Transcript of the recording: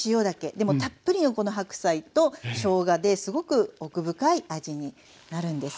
でもたっぷりのこの白菜としょうがですごく奥深い味になるんです。